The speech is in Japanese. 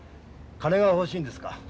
金が欲しいんですか？